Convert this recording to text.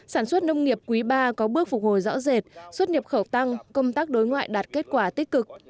sản xuất nông nghiệp quý ba có bước phục hồi rõ rệt xuất nhập khẩu tăng công tác đối ngoại đạt kết quả tích cực